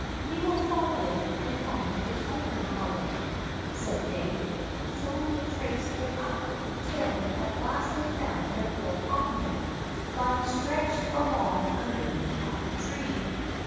"We will follow it and find its owner, however," said they. So they traced it up, till at last they found their poor comrade, lying stretched along under the apple tree.